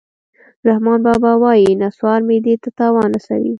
رحمان بابا وایي: نصوار معدې ته تاوان رسوي